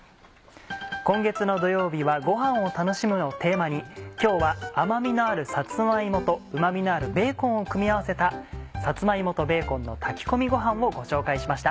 今月の土曜日は「ごはんを楽しむ」をテーマに今日は甘みのあるさつま芋とうま味のあるベーコンを組み合わせた「さつま芋とベーコンの炊き込みごはん」をご紹介しました。